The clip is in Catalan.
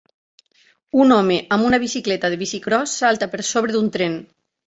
Un home amb una bicicleta de bicicròs salta per sobre d'un tren.